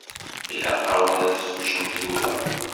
Ilaq-awen ad teččem tura.